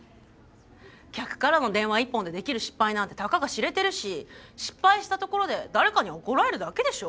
客からの電話一本でできる失敗なんてたかが知れてるし失敗したところで誰かに怒られるだけでしょ？